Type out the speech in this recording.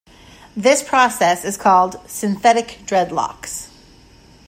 This process is called synthetic dreadlocks.